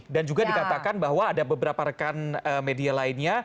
dan juga dikatakan bahwa ada beberapa rekan media lainnya